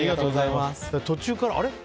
途中から、あれ？